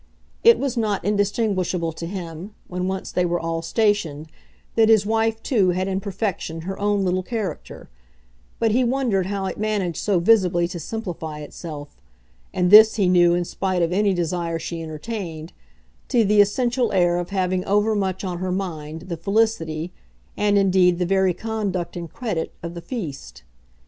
It was not indistinguishable to him, when once they were all stationed, that his wife too had in perfection her own little character; but he wondered how it managed so visibly to simplify itself and this, he knew, in spite of any desire she entertained to the essential air of having overmuch on her mind the felicity, and indeed the very conduct and credit, of the feast.